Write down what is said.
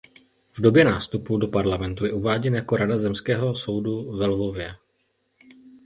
V době nástupu do parlamentu je uváděn jako rada zemského soudu ve Lvově.